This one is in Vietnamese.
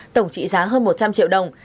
tổng trị giá hơn một trăm linh triệu đồng